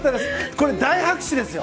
これ、大拍手ですよ！